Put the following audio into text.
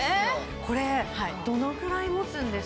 これどのぐらい持つんですか？